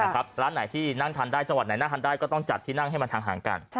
ร้านไหนที่นั่งทานได้จังหวัดไหนนั่งทานได้ก็ต้องจัดที่นั่งให้มันห่างกัน